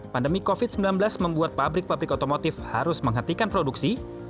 pandemi covid sembilan belas membuat pabrik pabrik otomotif harus menghentikan produksi